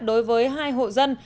đối với hai hộ dân